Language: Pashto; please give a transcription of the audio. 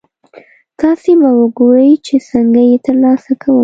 تاسې به ګورئ چې څنګه یې ترلاسه کوم.